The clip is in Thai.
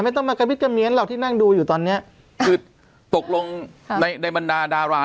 ไม่ต้องมากระบิดกระเมียนหรอกที่นั่งดูอยู่ตอนเนี้ยคือตกลงในในบรรดาดารา